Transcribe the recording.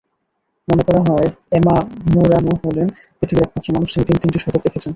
মনে করা হয়, এমা মোরানো হলেন পৃথিবীর একমাত্র মানুষ, যিনি তিন-তিনটি শতক দেখেছেন।